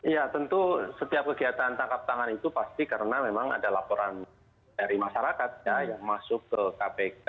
ya tentu setiap kegiatan tangkap tangan itu pasti karena memang ada laporan dari masyarakat ya yang masuk ke kpk